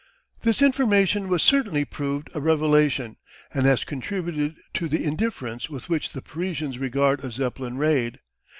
This information has certainly proved a revelation and has contributed to the indifference with which the Parisians regard a Zeppelin raid.